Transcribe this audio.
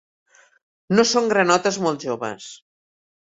No són granotes molt joves.